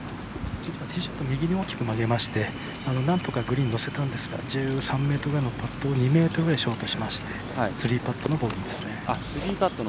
ティーショット右に大きく曲げてなんとか乗せたんですが１３ｍぐらいショートしまして３パットのボギーです。